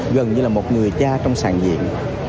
gần như là một người cha trong sàn diễn